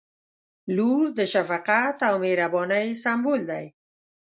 • لور د شفقت او مهربانۍ سمبول دی.